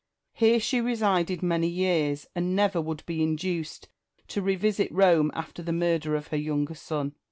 Here she resided many years, and never would be induced to revisit Rome after the murder of her younger son.